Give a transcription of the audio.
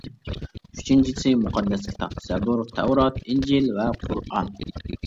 ئۈچىنچىسى مۇقەددەس كىتاب، زەبۇر، تەۋرات، ئىنجىل ۋە قۇرئان.